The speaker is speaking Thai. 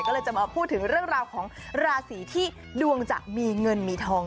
ก็เลยจะมาพูดถึงเรื่องราวของราศีที่ดวงจะมีเงินมีทอง